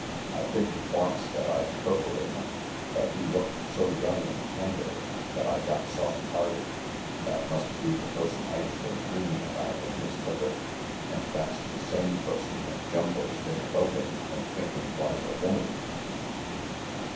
I figured once that I'd perforate him, but he looked so young and tender that I got soft RANGY PETE 195 hearted. That must be the person Ike's been dreaming about in his licker; and that's the same person that Jumbo's been roping and thinking was a woman."